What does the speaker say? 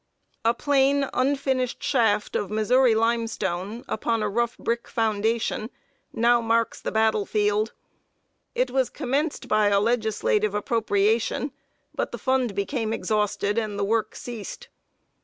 A plain, unfinished shaft of Missouri limestone, upon a rough brick foundation, now marks the battle field. It was commenced by a legislative appropriation; but the fund became exhausted and the work ceased.